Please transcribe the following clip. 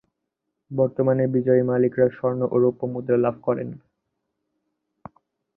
বর্তমানে বিজয়ী মালিকরা স্বর্ণ ও রৌপ্য মুদ্রা লাভ করেন।